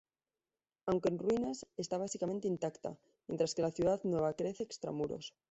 Aunque en ruinas, está básicamente intacta, mientras que la ciudad nueva crece extramuros.